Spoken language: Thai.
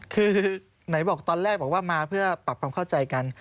คือไหนบอกตอนแรกบอกว่ามาเพื่อปรับความเข้าใจกัน